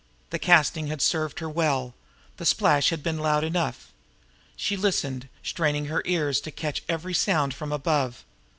The casting had served her well; the splash had been loud enough! She listened, straining her ears to catch every sound from above.